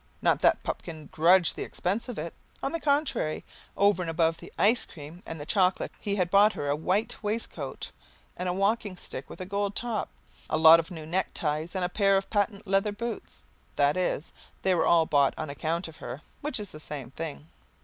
Not that Pupkin grudged the expense of it. On the contrary, over and above the ice cream and the chocolate he had bought her a white waistcoat and a walking stick with a gold top, a lot of new neckties and a pair of patent leather boots that is, they were all bought on account of her, which is the same thing.